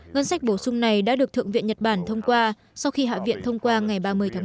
ngân sách bổ sung này đã được thượng viện nhật bản thông qua sau khi hạ viện thông qua ngày ba mươi tháng một